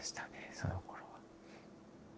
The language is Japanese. そのころは。